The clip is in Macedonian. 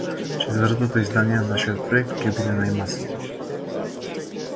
Четвртото издание на нашиот проект ќе биде најмасовно.